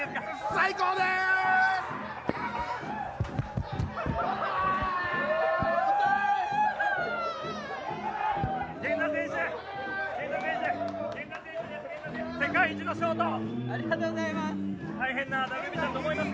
最高です！